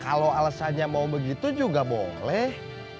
kalau alasannya mau begitu juga boleh